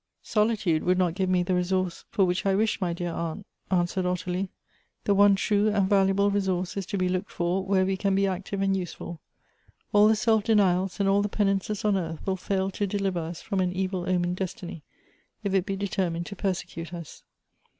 " Solitude would not give me the resource for which I 292 Goethe's wish, my dear aunt," answered Ottilie. " The one true and valuable resource is to be looked for where we cun be active and useful ; nil the self denials and all the pen ances on earth will fail to deliver us from an evil omened destiny, if it be determined to persecute us.